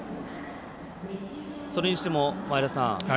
それにしても、前田さん